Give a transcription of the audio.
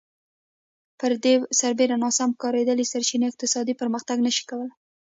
پر دې سربېره ناسم کارېدلې سرچینې اقتصادي پرمختګ نه شي کولای